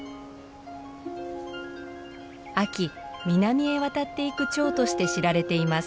秋南へ渡っていくチョウとして知られています。